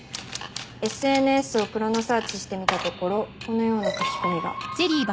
ＳＮＳをクロノサーチしてみたところこのような書き込みが。